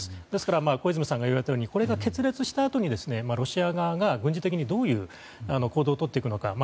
ですから小泉さんが言われたようにこれが決裂したあとにロシア側が軍事的にどういう行動をとっていくのか。